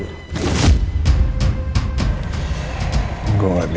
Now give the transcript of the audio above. kamu berhasil bag semuanya kitar diri